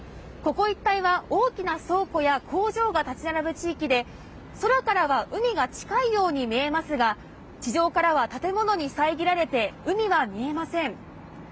ここ一帯は大きな倉庫や工場が立ち並ぶ地域で空からは海が近いように見えますが、地上からは建物に遮られて海は見えません。